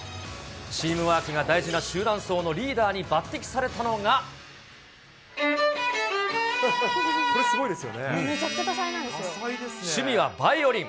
チームワークが大事な集団走のリーダーに抜てきされたのが、趣味はバイオリン。